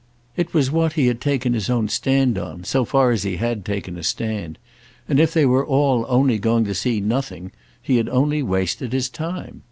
It was what he had taken his own stand on, so far as he had taken a stand; and if they were all only going to see nothing he had only wasted his time.